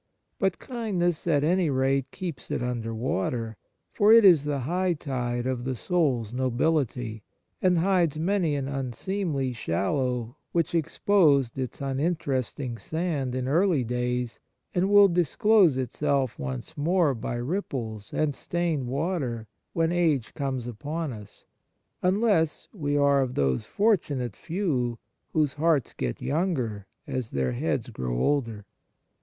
But kindness at any rate keeps it under water ; for it is the high tide of the soul's nobility, and hides many an unseemly shallow w^hich exposed its uninteresting sand in early days, and will disclose itself once more by ripples and stained water when age comes upon us, unless we are of those fortunate few whose hearts get younger as their heads grow older.